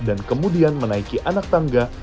dan kemudian menaiki anak tangga